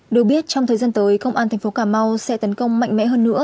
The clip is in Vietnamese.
được biết trong thời gian tới công an thành phố cà mau sẽ tấn công mạnh mẽ hơn nữa